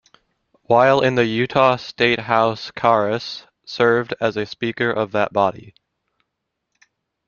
While in the Utah State House Karras served as speaker of that body.